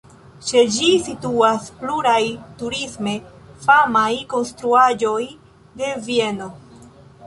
Ĉe ĝi situas pluraj turisme famaj konstruaĵoj de Vieno.